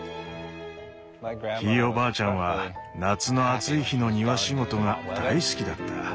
ひいおばあちゃんは夏の暑い日の庭仕事が大好きだった。